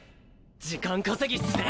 時間稼ぎっすね。